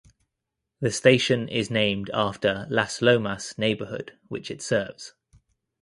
The station is named after "Las Lomas" neighborhood which it serves.